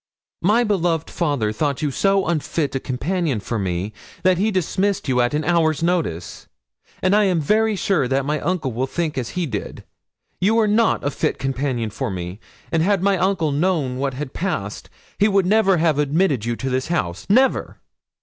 'My beloved father thought you so unfit a companion for me that he dismissed you at an hour's notice, and I am very sure that my uncle will think as he did; you are not a fit companion for me, and had my uncle known what had passed he would never have admitted you to this house never!'